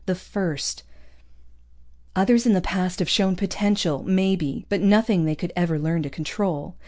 The first. Others in the past have shown potential, maybe, but nothing they could ever learn to control.